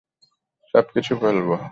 সব কিছু বলবো!